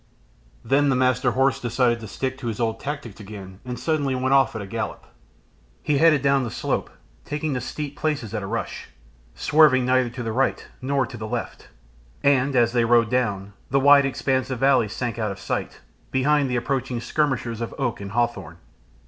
Then the Master Horse decided to stick to his old tactics again, and suddenly went off at a gallop. He headed down the slope, taking the steep places at a rush, swerving neither to the right nor to the left, and, as they rode down, the wide expanse of valley sank out of sight behind the approaching skirmishers of oak and hawthorn.